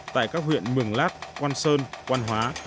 tại các huyện mường lát quang sơn quang hóa